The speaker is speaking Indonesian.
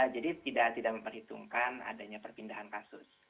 jadi tidak memperhitungkan adanya perpindahan kasus